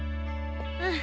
うん。